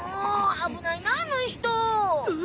危ないなあの人。